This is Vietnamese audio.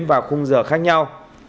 và khung giờ khác nhau